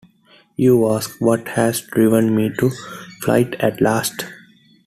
You asked, what has driven me to flight at last?